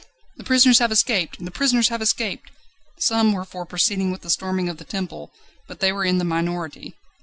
"The prisoners have escaped! The prisoners have escaped!" Some were for proceeding with the storming of the Temple, but they were in the minority.